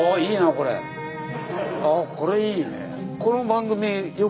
これいいね。